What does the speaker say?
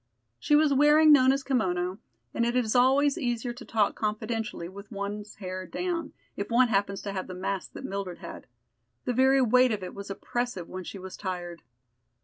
She was wearing Nona's kimono, and it is always easier to talk confidentially with one's hair down, if one happens to have the mass that Mildred had. The very weight of it was oppressive when she was tired.